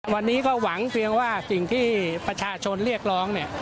วันนี้ก็หวังเพียงว่าสิ่งที่ประชาชนเรียกร้องเนี่ย